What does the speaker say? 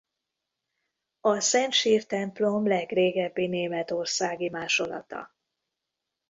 A Szent Sír templom legrégebbi németországi másolata.